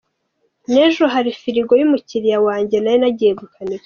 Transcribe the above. N’ejo hari firigo y’umukiriya wanjye nari nagiye gukanika.